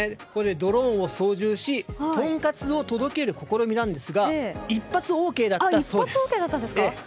ドローンを操縦しトンカツを届ける試みなんですが一発ＯＫだったそうです。